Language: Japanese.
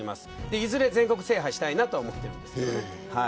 いずれ、全国制覇したいと思ってるんですけど。